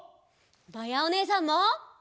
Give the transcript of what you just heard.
まやおねえさんも。